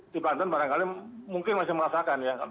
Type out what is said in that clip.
di banten barangkali mungkin masih merasakan ya